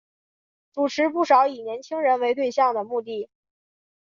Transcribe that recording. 主持不少以年青人为对象的节目。